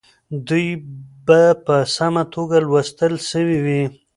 دوی به په سمه توګه لوستل سوي وي.